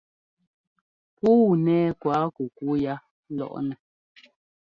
Puu nɛ́ kuákukú yá lɔʼnɛ.